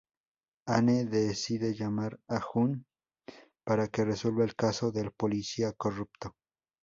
Anne decide llamar a Gunn para que resuelva el caso del policía corrupto.